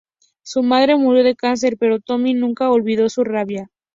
Su madre murió de cáncer, pero Tommy nunca olvidó su rabia.